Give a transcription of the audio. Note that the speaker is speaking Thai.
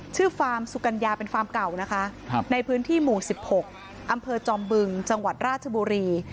ฟาร์มสุกัญญาเป็นฟาร์มเก่านะคะในพื้นที่หมู่๑๖อำเภอจอมบึงจังหวัดราชบุรี